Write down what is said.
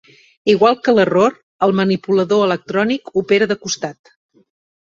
Igual que l'error, el manipulador electrònic opera de costat.